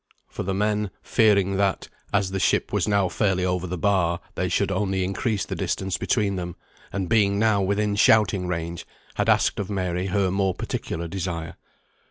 For the men fearing that, as the ship was now fairly over the bar, they should only increase the distance between them, and being now within shouting range, had asked of Mary her more particular desire.